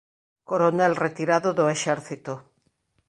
Coronel retirado do exército.